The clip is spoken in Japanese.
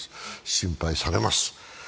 心配されます。